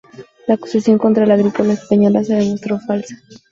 La acusación contra la agricultura española se demostró falsa.